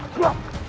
kau tidak bisa